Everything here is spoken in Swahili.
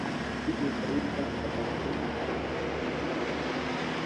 timu ya taifa ya brazil ilikuwa na kikosi imara sana